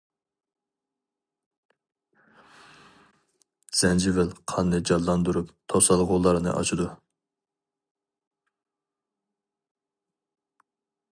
زەنجىۋىل قاننى جانلاندۇرۇپ، توسالغۇلارنى ئاچىدۇ.